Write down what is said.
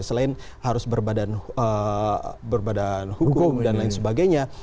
selain harus berbadan hukum dan lain sebagainya